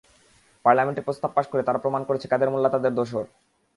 পার্লামেন্টে প্রস্তাব পাস করে তারা প্রমাণ করেছে, কাদের মোল্লা তাদের দোসর।